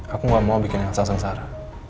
aku gak mau bikin elsa sengsara